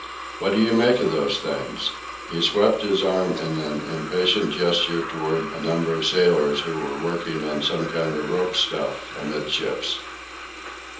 What do you make of those things?" He swept his arm in an impatient gesture toward a number of the sailors who were working on some kind of rope stuff amidships.